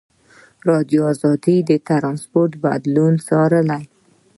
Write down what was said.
ازادي راډیو د ترانسپورټ بدلونونه څارلي.